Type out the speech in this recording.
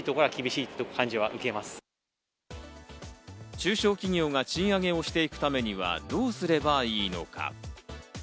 中小企業が賃上げをしていくためにはどうすればいいのか。